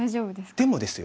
でもですよ